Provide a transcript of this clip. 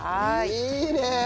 いいね。